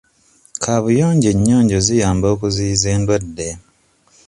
Kaabuyonjo ennyonjo ziyamba okuziiyiza endwadde.